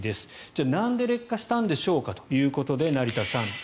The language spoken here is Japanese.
じゃあなんで劣化したんでしょうかということで成田さん